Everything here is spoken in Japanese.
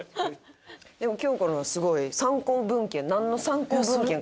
でも京子のはすごい参考文献。